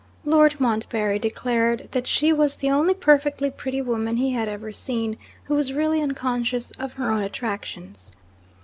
Lord Montbarry declared that she was the only perfectly pretty woman he had ever seen, who was really unconscious of her own attractions.